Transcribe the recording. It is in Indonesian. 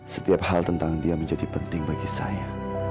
setiap hal tentang dia menjadi penting bagi saya